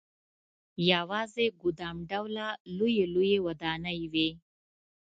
یوازې ګدام ډوله لويې لويې ودانۍ وې.